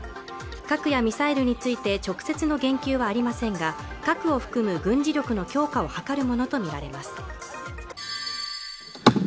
核やミサイルについて直接の言及はありませんが核を含む軍事力の強化を図るものと見られます